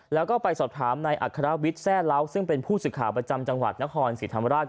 แล้วก็ไปสอบถามนายอัครวิทย์แซ่เล้าซึ่งเป็นผู้สื่อข่าวประจำจังหวัดนครศรีธรรมราช